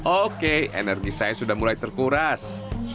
oke energi saya sudah mulai terkuras